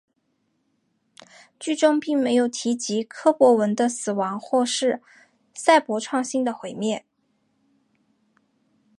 剧中并没有提及柯博文的死亡或是赛博创星的毁灭。